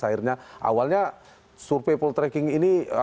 akhirnya awalnya survei poltreking ini